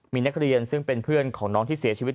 มีนักเรียนซึ่งเป็นเพื่อนของน้องที่เสียชีวิต